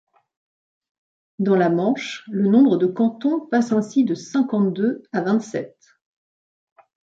Dans la Manche, le nombre de cantons passe ainsi de cinquante-deux à vingt-sept.